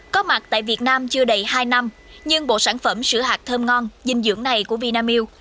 có mặt tại việt nam chưa đầy hai năm nhưng bộ sản phẩm sữa hạt thơm ngon dinh dưỡng này của vinamilk